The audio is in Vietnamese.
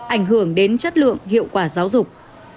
ảnh hưởng đến chất lượng hiệu quả giáo dục